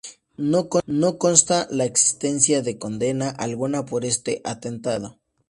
No consta la existencia de condena alguna por este atentado.